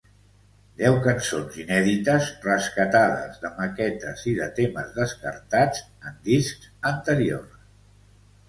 Deu cançons inèdites rescatades de maquetes i de temes descartats en discs anteriors.